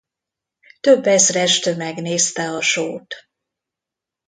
Több ezres tömeg nézte a showt.